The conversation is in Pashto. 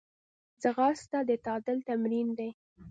ځغاسته د تعادل تمرین دی